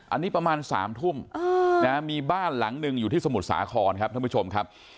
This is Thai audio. อันนี้ประมาณ๓ทุ่มมีบ้านหลังหนึ่งอยู่ที่สมุทรสาครครับท่านผู้ชมครับ